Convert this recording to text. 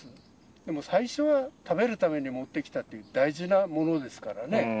でも最初は食べるために持ってきたという大事なものですからね。